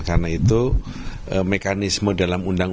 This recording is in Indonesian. karena itu mekanisme dalam undang undang